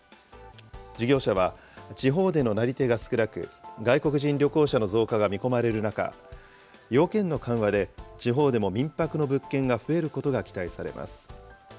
事業者は、地方でのなり手が少なく、外国人旅行者の増加が見込まれる中、要件の緩和で地方でも民泊の物件が増えることが期待されます。